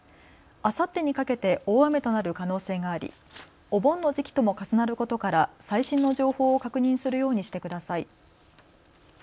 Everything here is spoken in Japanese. あさってにかけて大雨となる可能性があり、お盆の時期とも重なることから最新の情報を確認するようにしてください。